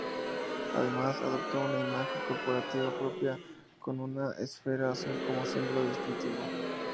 Además adoptó una imagen corporativa propia, con una esfera azul como símbolo distintivo.